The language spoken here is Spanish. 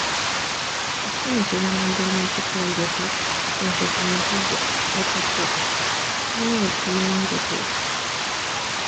Es conocida mundialmente por albergar los yacimientos de Atapuerca, cuna del primer europeo.